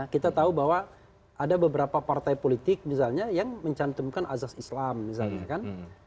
kita tahu bahwa ada beberapa partai politik misalnya yang mencantumkan azas islam misalnya kan